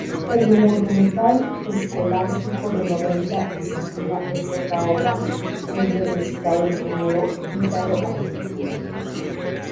El Monumental Escolástico de Noventa Vicentina es otra obra cumbre del citado ingeniero ítalo-argentino.